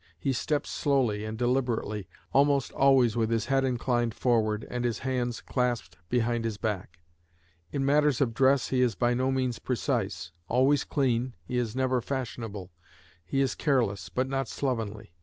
He steps slowly and deliberately, almost always with his head inclined forward and his hands clasped behind his back. In matters of dress he is by no means precise. Always clean, he is never fashionable; he is careless, but not slovenly.